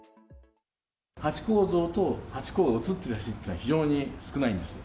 ハチ公像とハチ公が写っている写真っていうのは、非常に少ないんですよ。